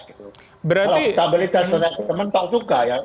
kalau akuntabilitas dengan teman teman tak suka ya